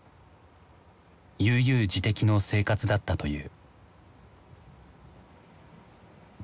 悠々自適の生活だったという。